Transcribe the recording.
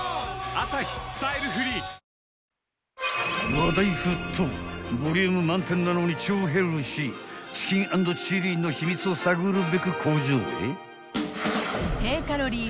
［話題沸騰ボリューム満点なのに超ヘルシーチキン＆チリの秘密を探るべく工場へ］